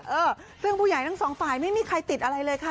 เออซึ่งผู้ใหญ่ทั้งสองฝ่ายไม่มีใครติดอะไรเลยค่ะ